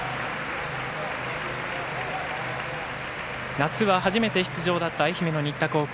夏は初めて出場だった愛媛の新田高校。